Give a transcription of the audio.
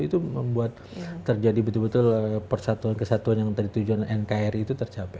itu membuat terjadi betul betul persatuan kesatuan yang tadi tujuan nkri itu tercapai